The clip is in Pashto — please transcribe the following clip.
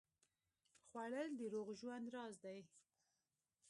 خوړل د روغ ژوند راز دی